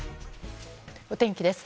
お天気です。